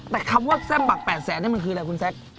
แต่คำว่าแซ่บปากแปดแสนนี่มันคืออะไรครับคุณแจ๊ค